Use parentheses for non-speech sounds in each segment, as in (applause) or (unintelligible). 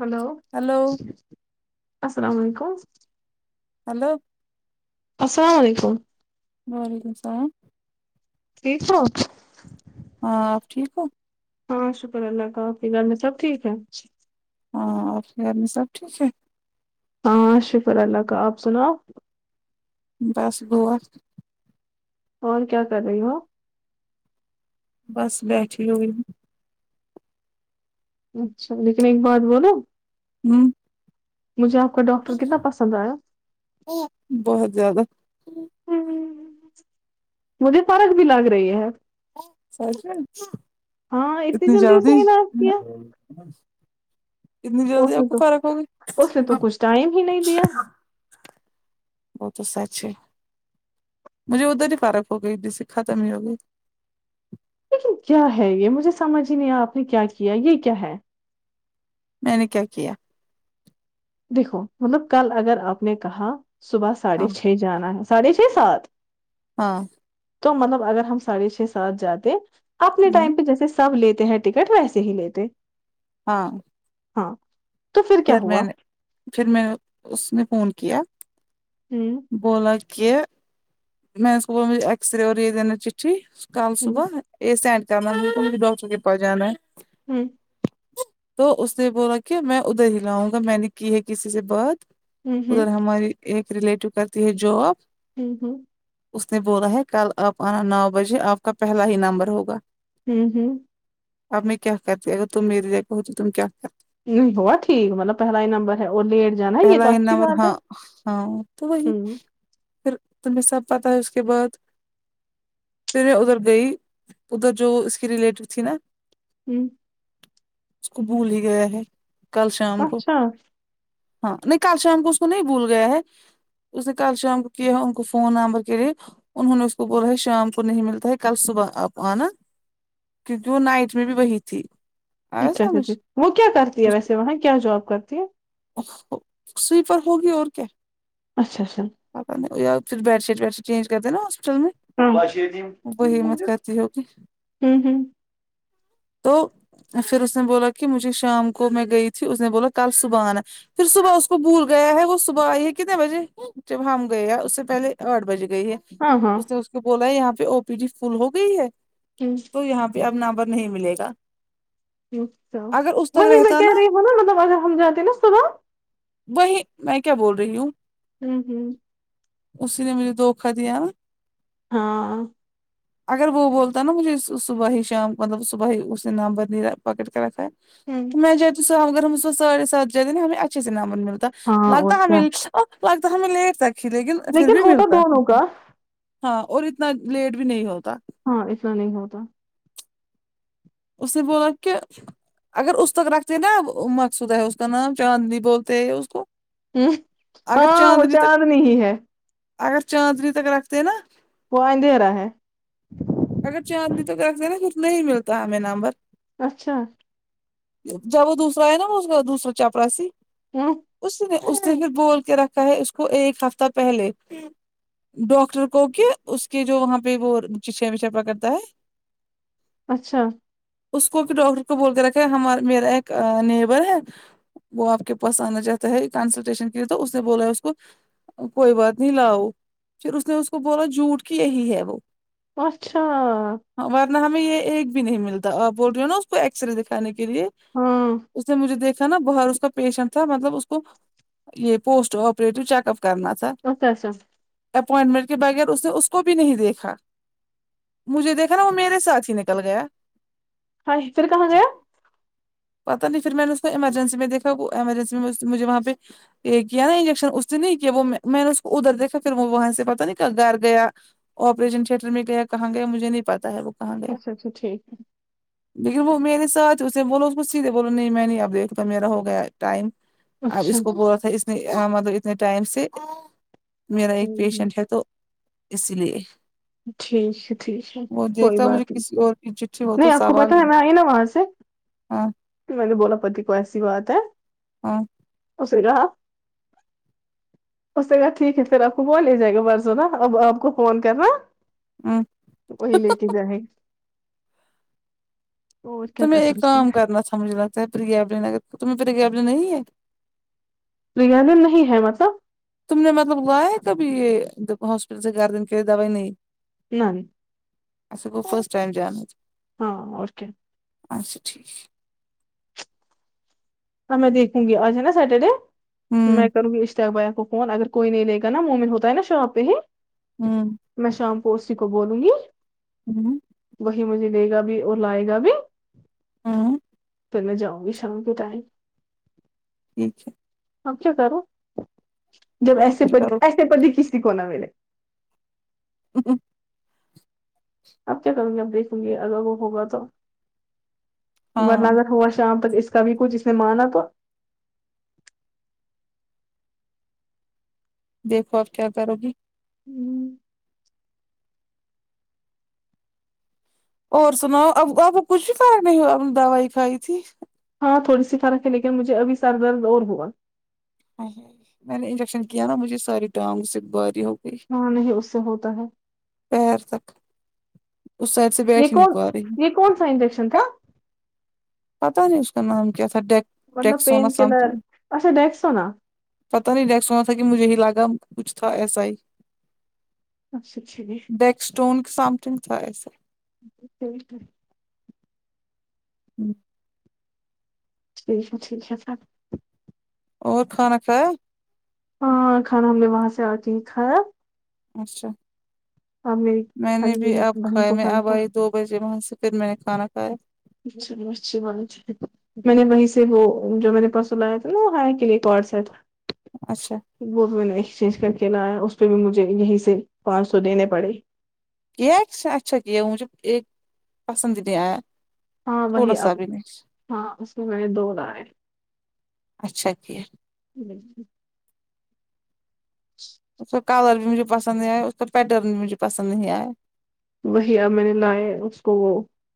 hello hello السلام علیکم hello السلام علیکم وعلیکم سلام ٹھیک ہو ہاں آپ ٹھیک ہو ہاں شکر اللہ کا آپ کہ گھر میں سب ٹھیک ہے ہاں آپ کے گھر میں سب ٹھیک ہے ہاں شکر اللہ کا آپ سناؤ بس گا اور کیا کر رہی ہو بس بیٹھی ہوئی اچھا لیکن ایک بات بولو ہوں مجھے آپ کا ڈاکٹر کتنا پسند آیا بہت زیادہ مجھے فرق بھی لگ رہی ہے ہاں اتنی جلدی اسے علاج کیا اس جلدی نے آپ کو تو فرق ہوگی اس نے تو کچھ ٹائم ہی نہیں دیا وہ تو سچ ہے مجھے ادھر ہی فرق ہو گئی ج سے ختم ہی ہو گئی لیکن کیا ہے یہ مجھے سمجھ ہی نہیں آ آپ نے کیا کیا یہ کیا ہے میں نے کیا کیا دیکھو مطلب کل اگر آپ نے کہا صبح ہاں ساڑھے چھ جانا ہے ساڑھے چھ سات ہاں تو مطلب اگر ہم ساڑھے چھ سات جاتے اپنے ہوں، ٹائم پہ جیسے سب لیتے ہیں ٹکٹ ویسے ہی لیتے ہاں ہاں تو کیا پھر ہوا میں نے پھر میں نے اس نے فون کیا ہوں بولا کہ میں اس کو بولا مجھے ایکس رے ا اوری دے دینا چٹھی کل ہوں صبح یہ سینڈ کر نا مجھے ڈاکٹر کے پاس جانا ہے ہوں تو اس نے بولا کیا میں ادھر ہی لاؤں گا میں نے کی ہے کسی سے بات ہوں ہوں ہوں ادھر ہماری ایک ریلیٹو کرتی ہے جو اب ہوں ہوں اس نے بولا ہے کل آپ آنا نو بجے آپ کا پہلا ہی نمبر ہوگا ہم ہم اب میں کیا کرتی اگر تم میری جگہ ہوتی تم کیا کر نہیں ہو ٹھیک مطلب پہلا ہی نمبر ہے اور لیٹ جانا ہے یہ تو پہلا ہی اچھی نمبر بات ہے ہاں ہاں تو وہی ہوں پھر تمہیں سب پتا ہے اس کے بعد پھر ادھر گئی ادھر جو اس کی ریلیٹڈ تھی نا ہم اس کو بھول ہی گیا ہے کل شام کو اچھا ہاں نہیں کل شام کو اس کو نہیں بھول گیا ہے اس نے کال شام کو کیا کو فون نمبر کے لیے انہوں نے اس کو بولا ہے شام کو نہیں ملتا ہے کل صبح اپ انا کیوکی وہ نائٹ میں بھی وہی تھی آیا اچھا سمجھ اچھا وہ کیا کرتی ہے ویسے وہاں کیا جاب کرتی ہے سویپر ہوگی اور کیا اچھا اچھا پتا نہیں یا پھر bed sheet bed sheet change کر دنا ہاسٹل میں ہاں وہی ہوں ہوں ہمت کرتی ہوگی ہاں تو پھر اس نے بولا کہ مجھے شام کو میں گئی تھی اس نے بولا کل صبح انا پھر صبح اس کو بھول گیا ہے وہ صبح ائی ہے کتنے بجے جب ہم گئے اس سے پہلے اٹھ بج گئی ہے ہاں اس نے ہوں اس کو بولا یہاں پہ او ٹی پی فل ہو گئی ہے ہم تو یہاں پہ اب نمبر نہیں ملے گا اچھا اگر اس تک وہیں میں رہتا کہہ رہی ہو نا مطلب اگر ہم جاتے نا صبح وہی میں کیا بول رہی ہوں ہم ہم اسی نے مجھ دھوکہ دھوکہ نا ہاں اگر وہ بولتا ہے نا مجھے سو سو صبح ہی شام مطلب صبح ہی اس نے نمبر نہیں پکڑ کے رکھا ہے ہوں میں جتیوں اگر ہم ساڑے سات جاتے نا ہمیں اچھے سے نمبر ملتا ہاں اور لگتا ہمیں کیا ا لگتا ہمیں لیٹ تک ہی لیکن پھر بھی ہوتا ملتا دونوں کا ہاں اور اتنا لیٹ بھی نہیں ہوتا ہاں اتنا نہیں ہوتا اسے نے بولا کہ اگر اس تک رکھتے نا مقصود ہے اس کا نام چاندنی بولتے ہے اس کو ہم اگر ہاں وہ چاندنی تک چار نہیں ہے اگر چاندنی تک رکھتے نا وہ ائندے یرا ہے اگر چاندنی تو رکھ دنا نہیں ملتا ہے ہمیں نمبر اچھا جب وہ دوسر ا ہے نا اس دوسرا چپڑا سی ہم اس نے اس نے پھر بول کے رکھا ہے اس کو ایک ہفتہ پہلے ڈاکٹر کو کہ اس کے جو وہاں پہ وہ وشے پک کرتا ہے اچھا اس کو کہ ڈاکٹر کو بول کے رکھا ہے ہمار میرا ایک نیبر ہے وہ اپ کے پاس انا چاتا ہے کنسلٹیشن کیا تو اس نے بولا اس کو کوئی بات نہیں لاؤ پھر اس نے اس کو بولا جھوٹ کی یہی ہے وہ اچھا ہاں ورنہ ہمیں یہ ایک بھی نہیں ملتا اپ بول رہی ہو نا اس کو ایکس رے کھانے کے لیے ہاں اس نے مجھے دیکھ نا باہر اس کا پیشنٹ تھا مطلب اس کو یہ پوسٹ آپریٹو چیک اپ کرنا تھا اچھا اچھا اپوائنٹمنٹ کے بغیر اس نے اس کو بھی نہیں دیکھا مجھے دیکھا نا وہ میرے ساتھ ہی نکل گیا ہاں پھر کہاں گیا پتا نہیں پھر میں نے اس کو ایمرجنسی میں دیکھا وہ ایمرجنسی میں مجھے وہاں پہ یہ کیا نا انجیکشن اس نے نہیں کیا وہ میں نے اس کو ادھر دیکھا پھر وہ وہاں سے پتہ نہیں کہ گھر گیا آپریشن تھیٹر میں گیا کہاں گیا مجھے نہیں پتہ ہے وہ کہاں گیا اچھا اچھا ٹھیک ہے لیکن وہ میرے ساتھ اسے بولو کچھ سیدھے بولا نہیں میں نہیں اب دیکھ تو میرا ہو گیا ٹائم اب اچھا اس کو بولا تھا مطلب اتنے ٹائم سے میرا ایک ٹھیک پیشنٹ ہے تو اسی لیے ٹھیک ہے ٹھیک ہے کوئی بات نہیں یہ (unintelligible) چٹھی ہو نہیں تو آپ کو پتا سوال ہی ہے میں نہیں نا وہاں سے ہاں کہ میں نے بولا پتی کو ایسی بات ہے ہاں اس سیرح اس سے کہا ٹھیک ہے پھر آپ کو وہ لے جائے گا برزو نا اب آپ کو فون کرنا ہوں وہی لے کے جاہے اور کیا تمہیں کر ایک کا سکتے ہیں کرنا تھا مجھے لگتا ہے پرریگبل اگر تمہیں پرریگبل نہیں ہے بریانی نہیں ہے مطلب تم نے مطلب لایا ہے کب یہ ہاسپٹل سے گاردن کے لیے دوائی نہیں ناہی اچھا وہ فسٹ ٹائم جانا تھا ہاں اور کیا اچھا ٹھیک ا میں دیکھوں گی آج ہے نا سیٹرڈے ہوں میں کروں گی کر بھیا کو فون اگر کوئی نہیں لے گا نا مومن ہوتا ہے نا شاپ پے ہی ہوں میں شام کو اسی کو بولوں گی ہوں وہی مجھے دے گا بھی اور لائے گا بھی ہوں پھر میں جاؤ گی شام کے ٹائم ٹھیک ہے اب کیا کرو جب آپ ایسے کیا پت کرو ایسے پتی کسی کو نہ ملے (inaudible) اب کیا کروں گی اب دیکھوں گی اگر وہ ہوگا تو ورنہ ہاں اگر ہوگا شام تک اس کبھی کچھ اس نے مانا تو دیکھو آپ کیا کرو گی ہوں اور سناؤ اب آپ کو کچھ بھی فرق نہیں ہوا آپ نے دوائی کھائی تھی ہاں تھوڑی سی فرق ہے لیکن مجھے ابھی سر درد اور ہوا میں نے انجیکشن کیا نا مجھے ساری ٹانگ سے باری ہو گئی ہاں نہیں اس سے ہوتا ہے پیر تک اسے یہ کون یہ کونسا انجکشن تھا پتا نہیں اس کا نام کیا تھا ڈیک مطلب پین ڈیکسونا سم کلر تھنگ اچھا ڈیکسونا پتا نہیں ڈیکسونا تھا کہ مجھے ہی لگا کچھ تھا ایسا ہی اچھا اچھا جی ڈیک اسٹون سم تھنگ تھا ایسا (unintelligible) ہوں ٹھیک ہے ٹھیک ہے سب اور کھانا کھایا ہاں کھانا ہم نے وہاں سے آتے ہی کھایا اچھا اب میری میں نے ساری بھی میری اب بہن کھائے کو میں اب کھانا آئی دو بجے وہاں سے پھر میں نے کھانا کھایا چلو اچھی بات ٹھیک میں نے وہیں سے وہ جو میرے پرسوں لایا تھا نا وہ حیا کے لیے کوٹ سیٹ اچھا وہ بھی میں نے ایکسچینج کر کے لایا اس پہ بھی مجھے یہیں سے پانچ سو دینے پڑے کیا یکس اچھا کیے مجھے ایک پسند نہیں آیا ہاں وہی تھوڑا اب سا بھی نہیں ہاں اس میں میں نے دو لائے اچھا کیا (unintelligible) (inaudible) اس کا کلر بھی مجھے پسند نہیں آئے اس کا پیٹرن بھی مجھے پسند نہیں آئے وہی اب میں نے لائے اس کو وہ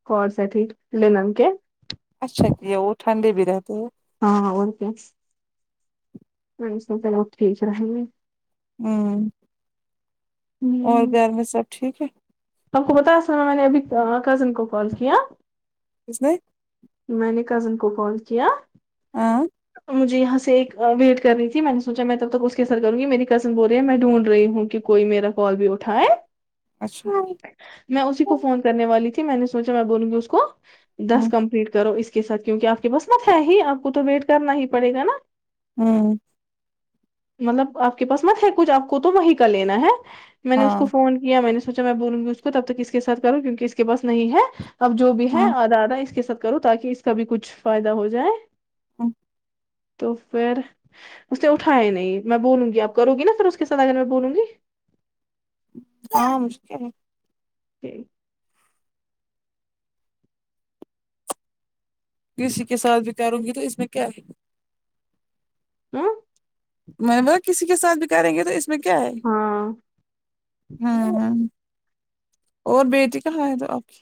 کوٹ سیٹ ایک لینن کے اچھا کیا وہ ٹھنڈے بھی رہتے ہے ہاں اور کیالو ٹھیک رہیں گے (unintelligible) ہوں اور ہوں گھر میں سب ٹھیک ہے آپ کو بتا صبح میں نے ابھی کزن کو کال کیا کس نے میں نے کزن کو کال کیا آں مجھے یہاں سے ایک ویٹ کر رہی تھی میں نے سوچا میں تب تک اس کی سر کرو گی میری کزن بول رہی ہے میں ڈھونڈ رہی ہوں کیوں کوئی میرا کال بھی اٹھائے اچھا میں اسی کو فون کرنے والی تھی میں نے سوچا میں بولوں گی اس کو دس کمپلیٹ کرو اس کے ساتھ کیونکہ آ پکے بس مت ہے ہی آپ کو تو ویٹ کرنا ہی پڑے گا نا ہوں مطلب آپ کے پاس مت ہے کچھ آپ کو تو وہیں کا لینا ہے میں نے اس ہاں کو فون کیا میں نے سوچا میں بولوں گی اس کو تب تک اس کے ساتھ کروں کیونکہ اس کے پاس نہیں ہے اب جو بھی ہے ہوں آدھا آدھا اس کے ساتھ کرو تا کہ اس کا بھی کچھ فائدہ ہو جائے ہاں توپھر اس نے اٹھیا ہی نہیں میں بولوں گی آپ کرونگی نا پھر اس کے سات اگر میں بولوں گی ہاں مشکل ہے ٹھیک ہے کسی کے ساتھ بھی کرو گی تو اس میں کیا ہے ہو میں نے کسی کے ساتھ بھی کریں گے تو اس میں کیا ہے ہاں ہاں ہاں اور بیٹی کہاں ہے تو آپ کی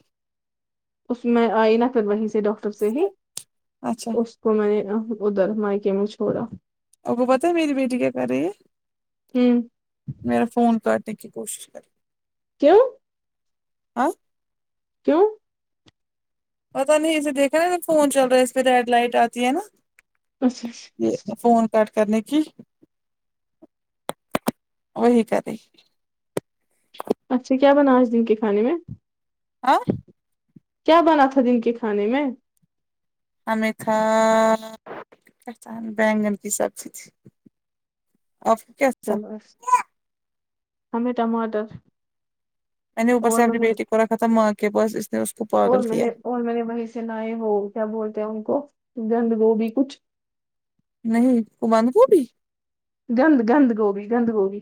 اس میں آئی نا پھر وہیں سے ڈاکٹر سے ہی اچھا اس کو میں نے ادھر مائکے مے چھوڑا اور کو پتا ہے میری بیٹی کیا کر رہی ہے ہوں میرا فون کاٹنے کی کوشش کر کیوں ہاں کیوں پتا نہیں اسے دیکھا نا فون چل رہا ہے اس پہ ریڈ لائٹ آتی ہے نا اچھا اچھا یہ فون کٹ کرنے کی وہی کرے گی اچھا کیا بنا آج دن کے کھانے میں آ کیا بنا تھا دن کے کھانے میں ہمیں کھایا بیگن کی سبزیز تھی آپ کیا سے تھا مس ہمیں ٹماٹر میں نے وہ بس اور اپنی نے بیٹی کو رکھا تھا ماں کے پاس نے اس کو اور پاگل میں کیا نے اور میں نے وہی سے لیا ہو کیا بولتے ہیں ان کو بند گوبی کچھ نہیں وہ بند گوبی گند گند گوبی گند گوبی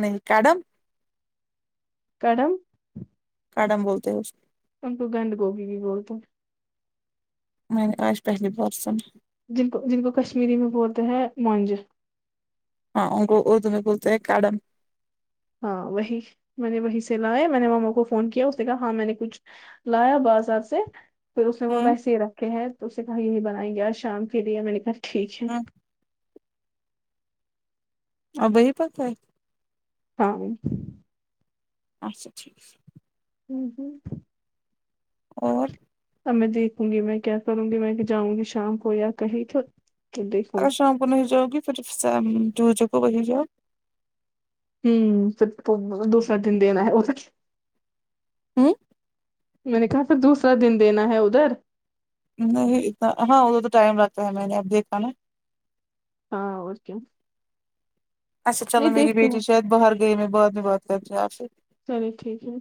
نہیں کڈم کڑم کڈم بولتے ہیں اس کو ان کو گند گوبی بھی بولتے ہے میں نے آج پہلی بار سنا جن کو جن کو کشمیری میں بولتے ہیں مونج ہاں ان کو اردو میں بولتے ہے کڈم ہاں وہی میں نے وہی سے لایا میں نے مما کو فون کیا اس نے کہا ہاں میں نے کچھ لایا بازار سے پھر اس نے وہ ہوں ویسے ہی رکھے ہیں تو اس نے کہا یہی بنائیں گے شام کے لیے میں نے کہا ٹھیک ہے ہوں آپ وہی پر ہے ہاں وہی پر اچھا ٹھیک ہے ہوں ہوں اور اب میں دیکھوں گی میں کیا کروں گی میں بھی جاؤں گی شام کو یا کہیں تو تو دیکھوں گی اگر شام کو نہیں جاؤ گی پھر سام جو جگ وہی جاؤ ہوں پھر تو دوسرا دن دینا ہے اور کچھ ہوں میں نے کہا پھر دوسرا دن دینا ہے ادھر نہیں اتنا ہاں ادھر تو ٹائم لگتا ہے میں نے اب دیکھا نا ہاں اور کیا اچھا چلو نہیں میری دیکھتے بیٹی ہیں شاید باہر گئی میں بعد میں بات کرتی ہوں آپ سے چلئے ٹھیک ہے